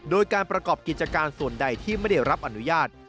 โดยการประกอบกิจการส่วนใดที่ไม่ได้รับอนุญาต